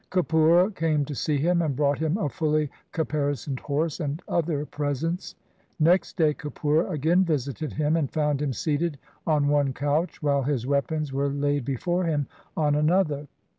Kapura came to see him, and brought him a fully capari soned horse and other presents. Next day Kapura again visited him and found him seated on one couch, while his weapons were laid before him on another.